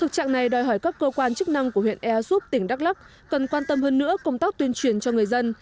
các cơ quan chức năng của huyện ea xúc tỉnh đắk lắk cần quan tâm hơn nữa công tác tuyên truyền cho người dân